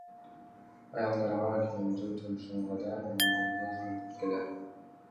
Аялдарга күнүмдүк турмушуңарда мамилеңерди өзгөрткүлө.